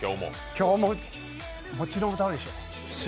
今日ももちろん歌うでしょ？